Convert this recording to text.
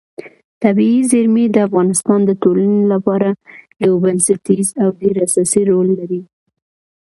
طبیعي زیرمې د افغانستان د ټولنې لپاره یو بنسټیز او ډېر اساسي رول لري.